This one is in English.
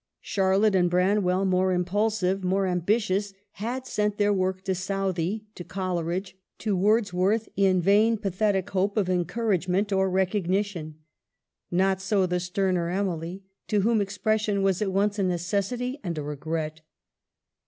Charlotte and Branwell, more impulsive, more ambitious, had sent their work to Southey, to Coleridge, to Wordsworth, in vain, pathetic hope of encouragement or recognition. Not so the sterner Emily, to whom expression was at once a necessity and a regret.